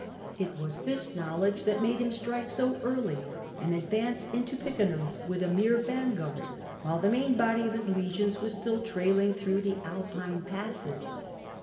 It was this knowledge that made him strike so early, and advance into Piceniim with a mere vanguard, while the main body of his legions was still trailing through the Alpine passes.